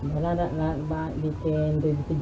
banyak banyak banyak bikin tujuh tujuh